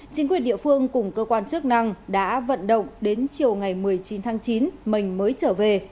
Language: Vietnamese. chính quyền địa phương cùng cơ quan chức năng đã vận động đến chiều ngày một mươi chín tháng chín mình mới trở về